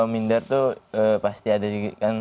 minder tuh pasti ada juga kan